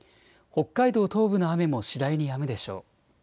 北海道東部の雨も次第にやむでしょう。